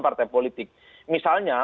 partai politik misalnya